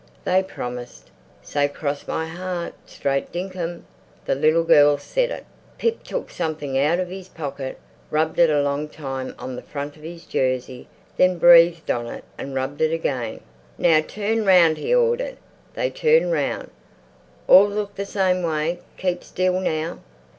They promised. "Say, cross my heart straight dinkum." The little girls said it. Pip took something out of his pocket, rubbed it a long time on the front of his jersey, then breathed on it and rubbed it again. "Now turn round!" he ordered. They turned round. "All look the same way! Keep still! Now!"